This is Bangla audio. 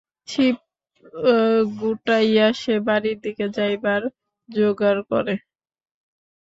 ছিপ গুটাইয়া সে বাড়ির দিকে যাইবার জোগাড় করে।